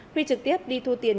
huy trực tiếp đi thu tiền